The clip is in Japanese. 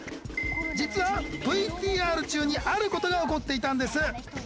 実はＶＴＲ中にあることが起こっていたんです。